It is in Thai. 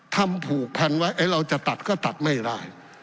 ทำผูกพันไว้เราจะตัดก็ตัดไม่ได้